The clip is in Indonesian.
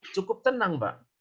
cukup tenang pak